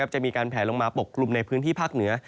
จะมีการแผลลงมาปกกลุ่มในพื้นที่ภาคเหนือ